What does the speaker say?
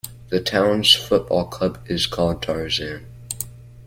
The towns football club is called 'Tarzan'.